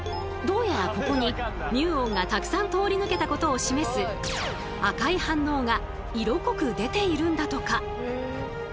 どうやらここにミューオンがたくさん通り抜けたことを示す赤い反応が色濃く出ているんだとか。